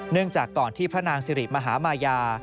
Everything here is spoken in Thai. จากก่อนที่พระนางสิริมหามายา